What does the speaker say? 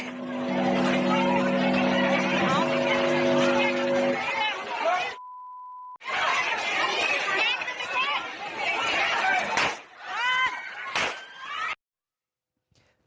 เอาเอาไว้